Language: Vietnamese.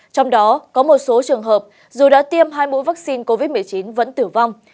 trong đó có một số trường hợp dù đã tiêm hai mũi vaccine covid một mươi chín vẫn tử vong